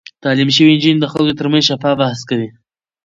تعليم شوې نجونې د خلکو ترمنځ شفاف بحث هڅوي.